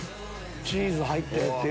チーズ入ってるって。